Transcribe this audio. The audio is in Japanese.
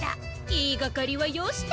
いいがかりはよして。